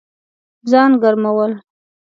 ځان ګرمول